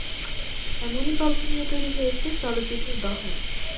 এমনই গল্প নিয়ে তৈরি হয়েছে চলচ্চিত্র দহন।